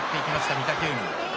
御嶽海。